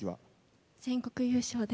全国優勝で。